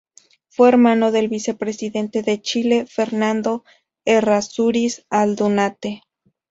Fue hermano del vicepresidente de Chile, Fernando Errázuriz Aldunate.